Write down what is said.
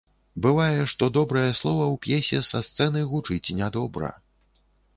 Бывае, што добрае слова ў п'есе са сцэны гучыць нядобра.